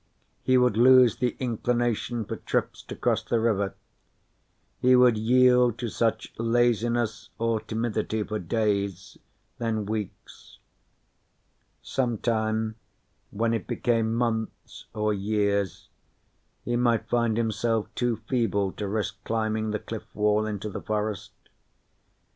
He would lose the inclination for trips to cross the river. He would yield to such laziness or timidity for days, then weeks. Some time, when it became months or years, he might find himself too feeble to risk climbing the cliff wall into the forest.